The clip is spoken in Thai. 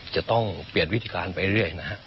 จะต้องเปลี่ยนวิธีการไปเรื่อยนะฮะ